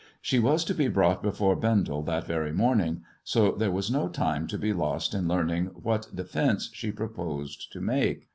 She was to be before Bendel that very morning, so there was no tima' be lost in learning what defence she proposed to make.